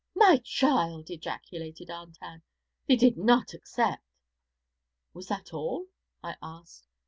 'My child!' ejaculated Aunt Ann, 'thee did not accept?' 'Was that all?' I asked.